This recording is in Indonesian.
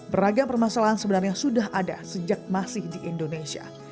beragam permasalahan sebenarnya sudah ada sejak masih di indonesia